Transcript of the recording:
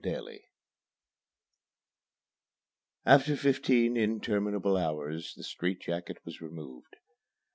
XVII After fifteen interminable hours the strait jacket was removed.